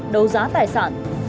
đấu giá tài sản